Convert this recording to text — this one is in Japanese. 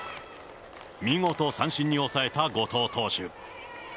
見事三振に抑えた後藤投手。